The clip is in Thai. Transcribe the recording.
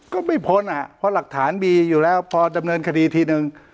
ก็ไม่พ้นอ่ะเพราะหลักฐานมีอยู่แล้วพอดำเนินคดีทีนึง